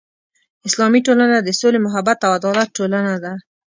اسلامي ټولنه د سولې، محبت او عدالت ټولنه ده.